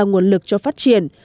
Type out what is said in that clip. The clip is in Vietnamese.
nguồn lực cho phát triển